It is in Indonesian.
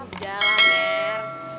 udah lah mer